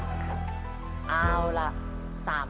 ขอเชิญปูชัยมาตอบชีวิตเป็นคนต่อไปครับ